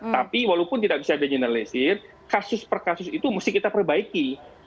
tapi walaupun tidak bisa di generalisir kasus per kasus itu mesti kita perbaiki